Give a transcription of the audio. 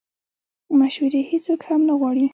مشورې هیڅوک هم نه غواړي